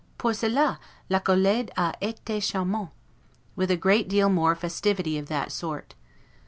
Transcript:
Pour cela, l'accolade a ete charmante'; with a great deal more festivity of that sort.